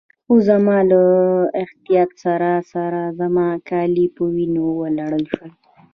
خو زما له احتیاط سره سره زما کالي په وینو ولړل شول.